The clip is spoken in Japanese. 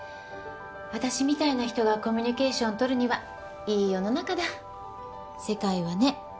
私みたいな人がコミュニケーションとるにはいい世の中だ世界はね